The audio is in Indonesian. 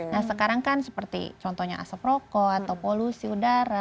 nah sekarang kan seperti contohnya asap rokok atau polusi udara